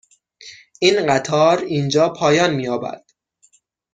این قطار اینجا پایان می یابد.